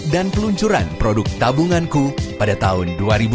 dan peluncuran produk tabunganku pada tahun dua ribu sepuluh